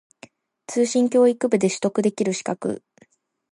通信教育部で取得できる資格